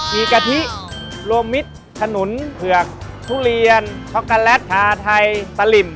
มีกะทิโลมิตรขนุนเผือกทุเรียนช็อกโกแลตชาไทยสลิม